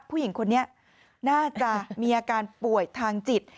ผู้หญิงคนนี้น่าจะมีอาการป่วยทางจิต